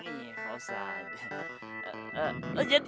iya pak ustadz